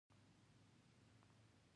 د شورتوغۍ سیمه په تخار کې لرغونې ده